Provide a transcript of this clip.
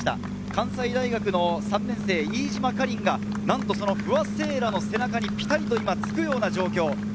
関西大学の３年生・飯島果琳がなんと、その不破聖衣来の背中にぴたりと今つくような状況。